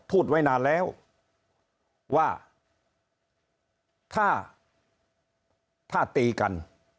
พูดไว้นานแล้วว่าถ้าถ้าตีกัน